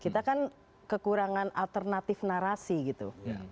kita kan kekurangan alternatif narasi gitu